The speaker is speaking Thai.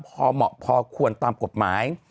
พอเหมาะพอควรตามกฎหมาย